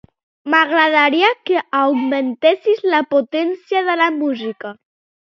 M'agradaria que augmentessis la potència de la música.